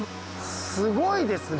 すごいですね！